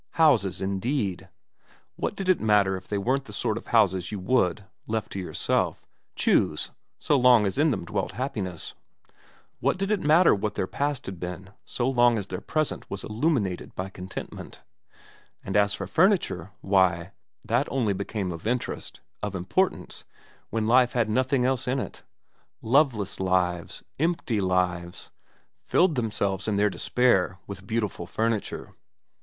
Houses, indeed. What did it matter if they weren't the sort of houses you would, left to yourself, choose so long as in them dwelt happiness ? What did it matter what their past had been so long as their present was illuminated by contentment ? And as for furniture, why, that only became of interest, of importance, when life had nothing else in it. Loveless lives, empty lives, filled themselves in their despair with beautiful furniture.